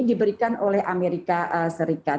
diberikan oleh amerika serikat